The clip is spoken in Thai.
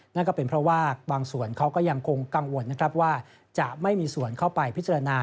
นั่นก็เป็นเพราะว่าบางส่วนเขาก็ยังคงกังวลนะครับว่าจะไม่มีส่วนเข้าไปพิจารณา